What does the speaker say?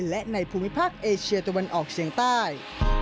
และในภูมิภาคเอเชียตะวันออกเฉียงใต้